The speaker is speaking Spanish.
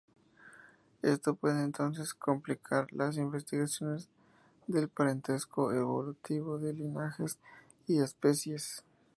Esto puede, entonces, complicar las investigaciones del parentesco evolutivo de linajes y especies.